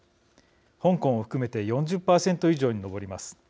香港を含めて４０％以上に上ります。